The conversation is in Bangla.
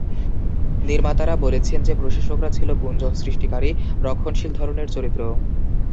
নির্মাতারা বলেছেন যে প্রশাসকরা ছিলেন গুঞ্জন সৃষ্টিকারী, রক্ষণশীল ধরনের চরিত্র।